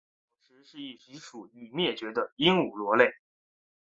房角石是一属已灭绝的鹦鹉螺类。